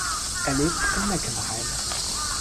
Er lebt in Meckenheim.